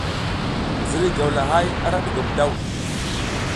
Ziriy gawlahay ara ɗugom daw.